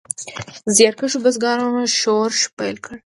زیارکښو بزګرانو شورش پیل کړ.